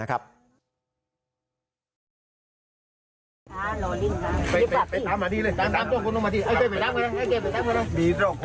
คุณหมอ